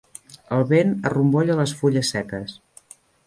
El vent arrombolla les fulles seques.